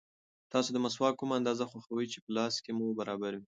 تاسو د مسواک کومه اندازه خوښوئ چې په لاس کې مو برابر وي؟